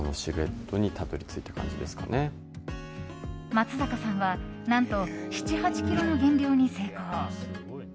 松坂さんは何と７８ｋｇの減量に成功。